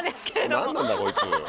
何なんだこいつ。